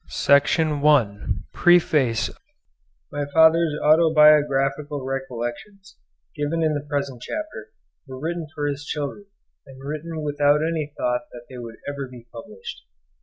WRITTEN MAY 1ST, 1881. [My father's autobiographical recollections, given in the present chapter, were written for his children,—and written without any thought that they would ever be published.